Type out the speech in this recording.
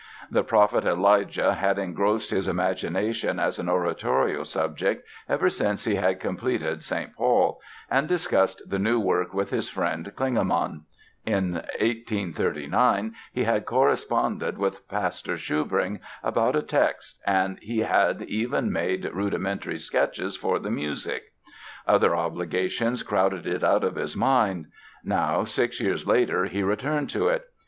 The prophet Elijah had engrossed his imagination as an oratorio subject ever since he had completed "St. Paul" and discussed the new work with his friend Klingemann. In 1839 he had corresponded with Pastor Schubring about a text and he had even made rudimentary sketches for the music. Other obligations crowded it out of his mind. Now, six years later, he returned to it.